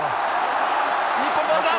日本ボールだ。